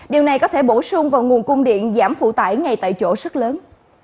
điều này có thể bổ sung vào nguồn cung điện giảm phụ tải ngay tại chỗ rất lớn